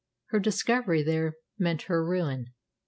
Her discovery there meant her ruin.